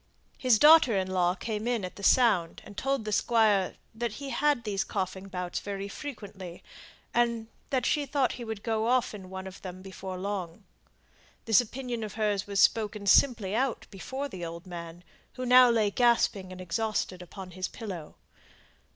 His daughter in law came in at the sound, and told the Squire that he had these coughing bouts very frequently, and that she thought he would go off in one of them before long. This opinion of hers was spoken simply out before the old man, who now lay gasping and exhausted upon his pillow.